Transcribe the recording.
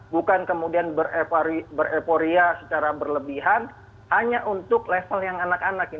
bukan kemudian bereporia secara berlebihan hanya untuk level yang anak anak